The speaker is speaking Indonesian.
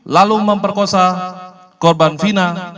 lalu memperkosa korban fina